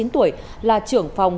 bốn mươi chín tuổi là trưởng phòng